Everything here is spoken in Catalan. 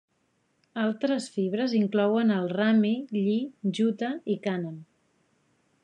Altres fibres inclouen el rami, lli, jute i cànem.